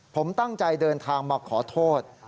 ผมตั้งใจเดินทางมาขอโทษ